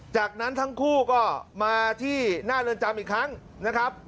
จากนั้นทั้งคู่ก็มาที่หน้าเรือนจำอีกครั้งนะครับ